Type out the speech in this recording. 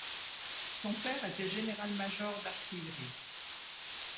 Son père était général-major d'artillerie.